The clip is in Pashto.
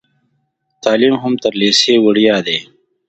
تعلیم هم تر لیسې وړیا دی.